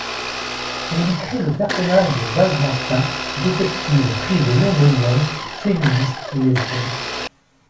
Elle y crée le personnage de Saz Martin, détective privée londonienne, féministe et lesbienne.